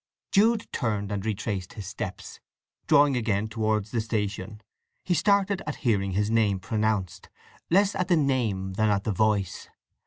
Jude turned and retraced his steps. Drawing again towards the station he started at hearing his name pronounced—less at the name than at the voice.